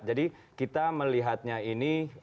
jadi kita melihatnya ini